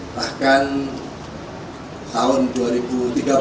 bahkan tahun dua ribu tiga belas saya pernah diundang